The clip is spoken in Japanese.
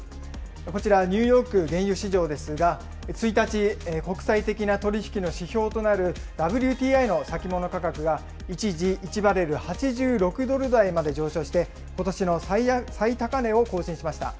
こちら、ニューヨーク原油市場ですが、１日、国際的な取り引きの指標となるＷＴＩの先物価格が一時１バレル８６ドル台まで上昇して、ことしの最高値を更新しました。